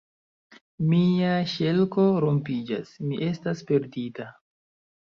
Mia ŝelko rompiĝas: mi estas perdita!